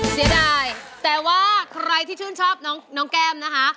เสียดายแต่ว่าใครที่ชื่นชอบน้องแก้มนะคะ